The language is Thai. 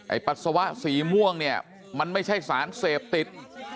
ปัสสาวะสีม่วงเนี่ยมันไม่ใช่สารเสพติด